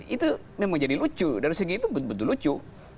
itu memang jadi lucu dari segi itu betul betul lucu